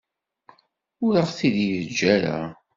Ur aɣ-t-id-yeǧǧa ara.